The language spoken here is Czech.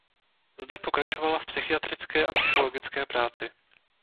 Zde pokračovala v psychiatrické a psychologické práci.